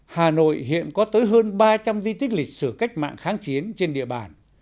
hà nội hiện có tới hơn ba trăm linh di tích lịch sử cách mạng kháng chiến trên địa bàn